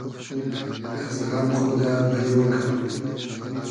از غئم خودۂ بئیۉ کئدوم